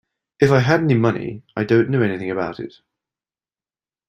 If I had any money, I don't know anything about it.